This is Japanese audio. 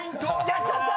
やっちゃった！